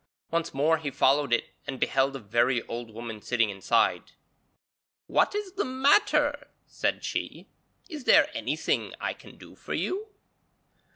Once more he followed it and beheld a very old woman sitting inside. 'What is the matter?' said she. 'Is there anything I can do for you?'